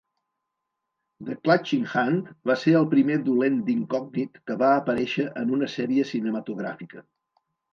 "The Clutching Hand" va ser el primer dolent d'incògnit que va aparèixer en una sèrie cinematogràfica.